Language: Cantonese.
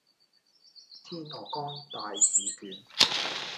煎鵝肝帶子卷